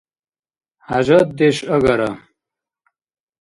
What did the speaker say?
ХӀяжатдеш агара.